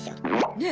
ねえ？